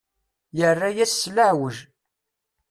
Yerra-yas s leɛweǧ.